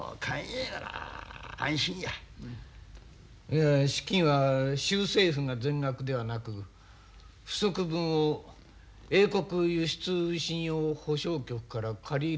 いや資金は州政府が全額ではなく不足分を英国輸出信用保証局から借り入れるようですが。